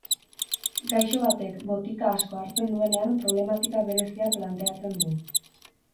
Gaixo batek botika asko hartzen duenean problematika berezia planteatzen du.